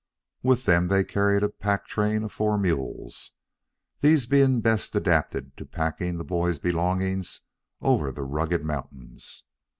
With them they carried a pack train of four mules, these being best adapted to packing the boys' belongings over the rugged mountains.